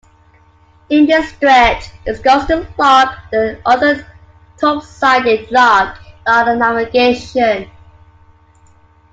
In this stretch is Garston Lock, the other turf-sided lock on the navigation.